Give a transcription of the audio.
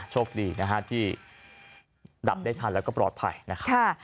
โชคดีนะฮะที่ดับได้ทันแล้วก็ปลอดภัยนะครับ